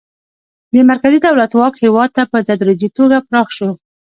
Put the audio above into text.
د مرکزي دولت واک هیواد ته په تدریجي توګه پراخه شو.